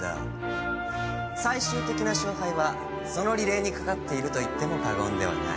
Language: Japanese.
最終的な勝敗はそのリレーに懸かっていると言っても過言ではない。